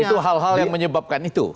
itu hal hal yang menyebabkan itu